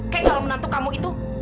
kayak calon menantu kamu itu